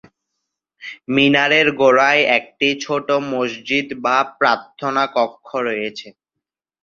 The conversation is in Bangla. মিনারের গোড়ায় একটি ছোট মসজিদ বা প্রার্থনা কক্ষ রয়েছে।